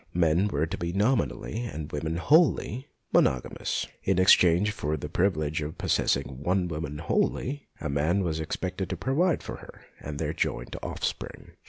Men were to be nominally, women wholly, monogamous. In exchange for the privilege of possessing one woman wholly, a man was expected to provide for her and their joint offspring.